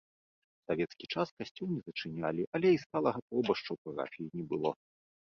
У савецкі час касцёл не зачынялі, але і сталага пробашча ў парафіі не было.